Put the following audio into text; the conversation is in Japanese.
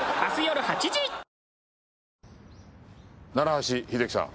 橋秀樹さん。